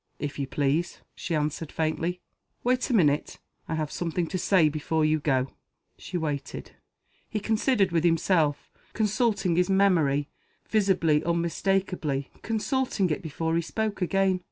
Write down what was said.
"If you please," she answered, faintly. "Wait a minute. I have something to say before you go." She waited. He considered with himself; consulting his memory visibly, unmistakably, consulting it before he spoke again.